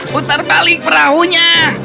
putar balik perahunya